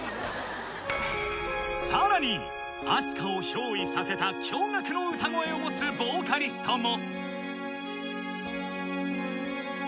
さらにＡＳＫＡを憑依させた驚愕の歌声を持つボーカリストも！